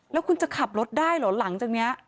แล้วคุณจะขับรถได้เหรอหลังจากนี้